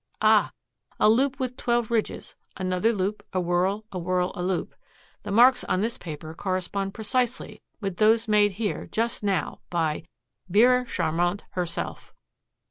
"Ah, a loop with twelve ridges, another loop, a whorl, a whorl, a loop. The marks on this paper correspond precisely with those made here just now by Vera Charmant herself!"